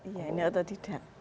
iya ini atau tidak